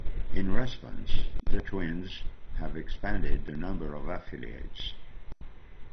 In response, the Twins have expanded the number of affiliates.